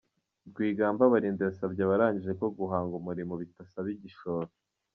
Rwigamba Barinda yasabye abarangije ko guhanga umurimo bitasaba igishoro.